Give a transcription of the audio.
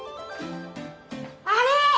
あれ？